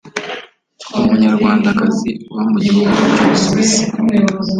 umunyarwandakazi uba mu gihugu cy’ubusuwisi